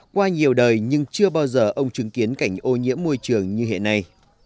qua nhiều đời nhưng chưa bao giờ ông chứng kiến cảnh ô nhiễm môi trường như hiện nay